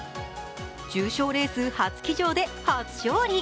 重賞レース初騎乗で初勝利。